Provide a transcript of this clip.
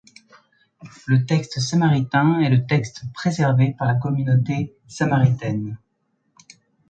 Le texte samaritain est le texte préservé par la communauté samaritaine.